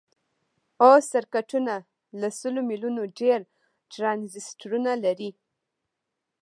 اوس سرکټونه له سلو میلیونو ډیر ټرانزیسټرونه لري.